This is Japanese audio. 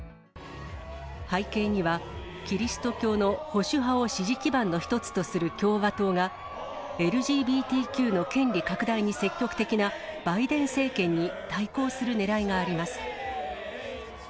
背景には、キリスト教の保守派を支持基盤の一つとする共和党が、ＬＧＢＴＱの権利拡大に積極的なバイデン政権に対抗するねらいがあります。